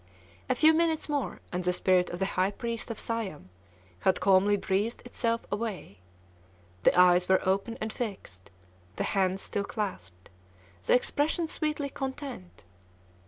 A few minutes more, and the spirit of the High Priest of Siam had calmly breathed itself away. The eyes were open and fixed; the hands still clasped; the expression sweetly content.